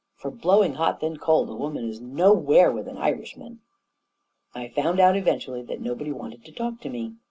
For blowing hot, then cold, a woman is nowhere with an Irishman I I found out, eventually, that nobody wanted to talk to me.